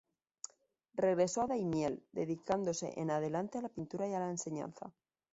Regresó a Daimiel, dedicándose en adelante a la pintura y a la enseñanza.